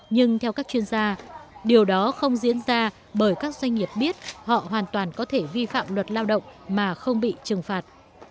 nhưng theo các chuyên gia điều đó không diễn ra bởi các doanh nghiệp biết họ hoàn toàn có thể vi phạm luật lao động mà không bị trừng phạt